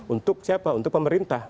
untuk siapa untuk pemerintah